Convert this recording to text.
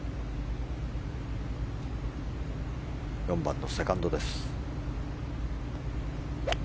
４番のセカンドです。